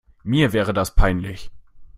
Mir wäre das peinlich.